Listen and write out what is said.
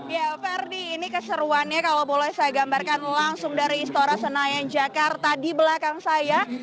ya ferdi ini keseruannya kalau boleh saya gambarkan langsung dari istora senayan jakarta di belakang saya